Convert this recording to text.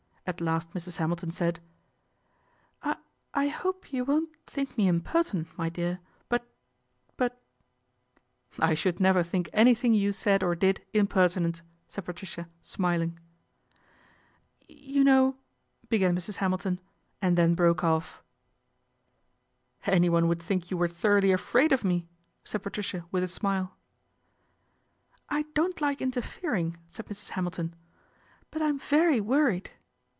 At last Mrs. Hamilton said :" I I hope you won't think me impertinent, my dear ; but but "" I should never think anything you said or did impertinent," said Patricia, smiling. ' You know " began Mrs. Hamilton, and then broke off. " Anyone would think you were thoroughly afraid of me," said Patricia with a smile. ' I don't like interfering," said Mrs. Hamilton, " but I am very worried."